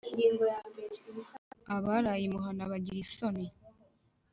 abaraye imuhana bagira isoni ?